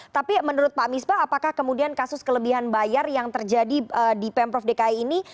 tapi menurut pak misbah apakah kemudian kasus kelebihan bayar yang terjadi di pemprov dki ini